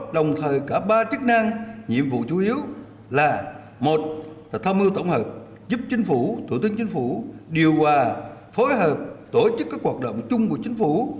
đồng thời cả ba chức năng nhiệm vụ chủ yếu là một tham mưu tổng hợp giúp chính phủ thủ tướng chính phủ điều hòa phối hợp tổ chức các hoạt động chung của chính phủ